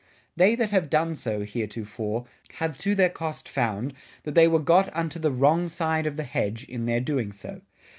They that have done so, heretofore, have to their Cost found, that they were got unto the Wrong side of the Hedge, in their doing so.